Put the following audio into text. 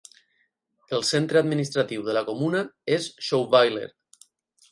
El centre administratiu de la comuna és Schouweiler.